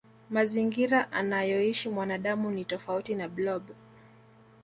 mazingira anayoishi mwanadamu ni tofauti na blob